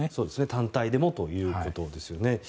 単体でもということですよね。